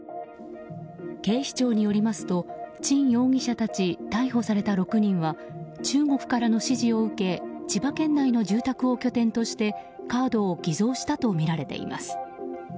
警視庁によりますとチン容疑者たち逮捕された６人は中国からの指示を受け千葉県内の住宅を拠点としてカードを偽造したとみられています。